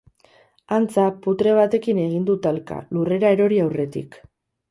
Antza, putre batekin egin du talka, lurrera erori aurretik.